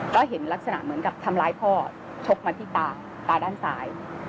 ก็เห็นลักษณะเหมือนกับทำร้ายพ่อชกมาที่ตาตาด้านซ้าย